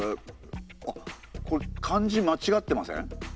あっこれ漢字まちがってません？